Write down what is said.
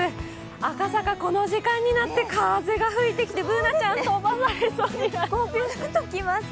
赤坂、この時間になって風が吹いてきて、Ｂｏｏｎａちゃん、飛ばされそうになってます。